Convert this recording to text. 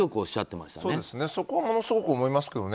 そこをものすごく思いますけどね。